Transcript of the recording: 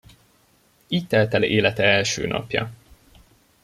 Így telt el élete első napja.